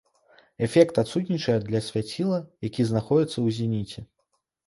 Эфект адсутнічае для свяціла, які знаходзіцца ў зеніце.